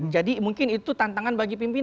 jadi mungkin itu tantangan bagi pimpinan